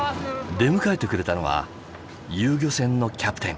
出迎えてくれたのは遊漁船のキャプテン。